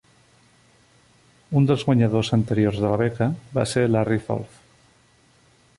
Un dels guanyadors anteriors de la beca va ser Larry Zolf.